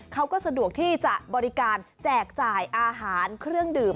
เขาก็สะดวกที่จะบริการแจกจ่ายอาหารเครื่องดื่ม